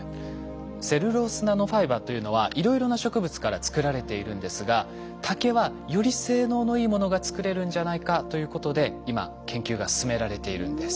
セルロースナノファイバーというのはいろいろな植物から作られているんですが竹はより性能のいいものが作れるんじゃないかということで今研究が進められているんです。